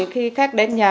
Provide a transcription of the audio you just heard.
khi khách đến nhà